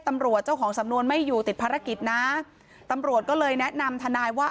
ตำรวจเจ้าของสำนวนไม่อยู่ติดภารกิจนะตำรวจก็เลยแนะนำทนายว่า